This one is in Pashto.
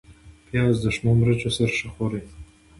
پیاز د شنو مرچو سره ښه خوري